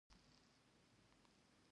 سوله غوښتونکي کسان د جګړې مخنیوي ته وهڅول.